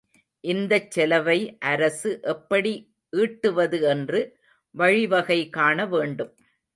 இந்தச் செலவை அரசு எப்படி ஈட்டுவது என்று வழிவகை காண வேண்டும்.